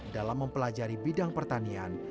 dalam mempelajari bidang pertanian